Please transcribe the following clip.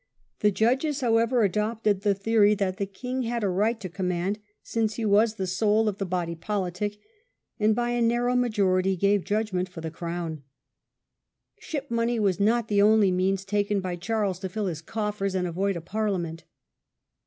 The judges, however, adopted the theory that the king had a right to command, since he was the soul of the body (962) c 28 THE SCOTTISH REBELLION.' politic, and by a narrow majority gave judgment for the crown. Ship money was not the only means taken by Charles to fill his coffers and avoid a Parliament.